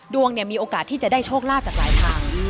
มีโอกาสที่จะได้โชคลาภจากหลายทาง